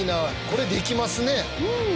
これできますね。